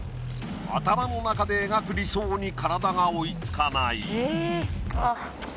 頭の中で描く理想に体が追い付かない。